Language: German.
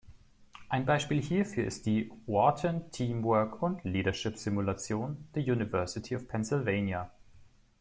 Ein Beispiel hierfür ist die "Wharton Teamwork und Leadership Simulation" der University of Pennsylvania.